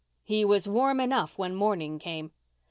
He was warm enough when morning came.